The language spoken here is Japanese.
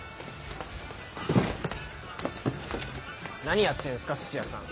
何やってんすか土屋さん！